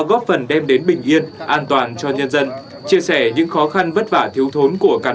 góp phần đem đến bình yên an toàn cho nhân dân chia sẻ những khó khăn vất vả thiếu thốn của cán